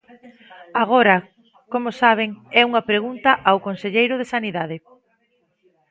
Agora, como saben, é unha pregunta ao conselleiro de Sanidade.